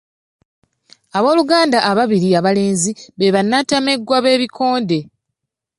Abooluganda ababiri abalenzi be bannantameggwa b'ebikonde.